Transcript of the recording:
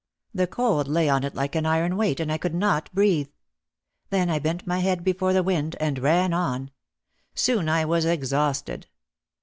The cold lay on it like an iron weight and I could not breathe. Then I bent my head before the wind and ran on. Soon I was exhausted.